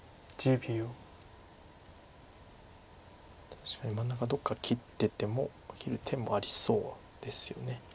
確かに真ん中どっか切ってても切る手もありそうですよね。